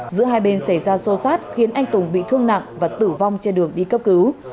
giữa hai bên xảy ra xô xát khiến anh tùng bị thương nặng và tử vong trên đường đi cấp cứu